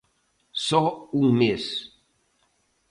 Só un mes.